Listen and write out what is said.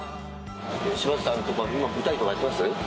柴田さんとこは今舞台とかやってます？